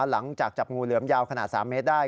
หลังจากจับงูเหลือมยาวขนาด๓เมตรได้